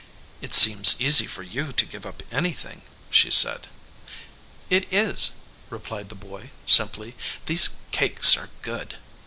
"It seems easy for you to give up anything," she said. "It is," replied the boy, simply. "These cakes are good."